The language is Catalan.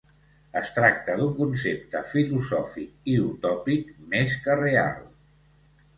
Es tracta d'un concepte filosòfic i utòpic més que real.